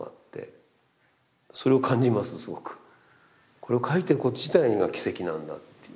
これを描いてること自体が奇跡なんだっていう。